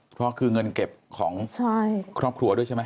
เพราะคือเงินเก็บของครอบครัวด้วยใช่ไหม